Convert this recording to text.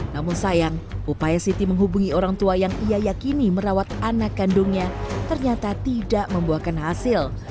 namun sayang upaya siti menghubungi orang tua yang ia yakini merawat anak kandungnya ternyata tidak membuahkan hasil